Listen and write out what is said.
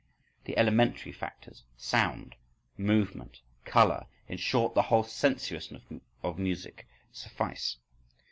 The elementary factors—sound, movement, colour, in short, the whole sensuousness of music—suffice.